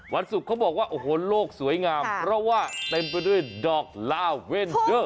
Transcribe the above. วันศุกร์เขาบอกว่าโอ้โหโลกสวยงามเพราะว่าเต็มไปด้วยดอกลาเว่นเดอร์